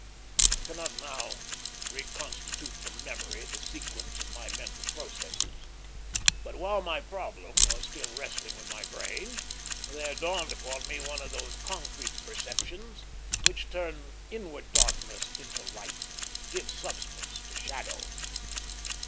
I cannot now reconstitute from memory the sequence of my mental processes; but while my problem was still wrestling with my brain there dawned upon me one of those concrete perceptions which turn inward darkness into light give substance to shadow.